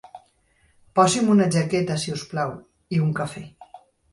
Posi'm una jaqueta, si us plau, i un cafè.